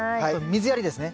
水やりですね。